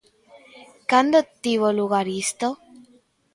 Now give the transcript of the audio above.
Cando tivo lugar isto?